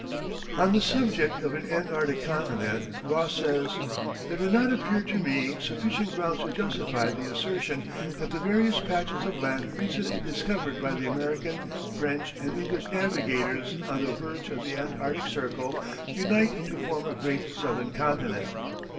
On the subject of an Antarctic continent Ross says: "There do not appear to me sufficient grounds to justify the assertion that the various patches of land recently discovered by the American, French, and English navigators on the verge of the Antarctic Circle unite to form a great southern continent."